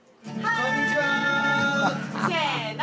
こんにちは！せの！